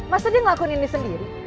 maksudnya ngelakuin ini sendiri